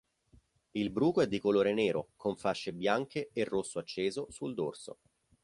Il bruco è di colore nero con fasce bianche e rosso acceso sul dorso.